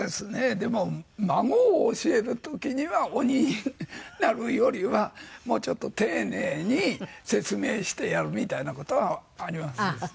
でも孫を教える時には鬼になるよりはもうちょっと丁寧に説明してやるみたいな事はありますですね。